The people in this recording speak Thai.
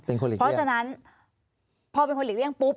เพราะฉะนั้นพอเป็นคนหลีกเลี่ยงปุ๊บ